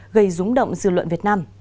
gây rúng động dư luận việt nam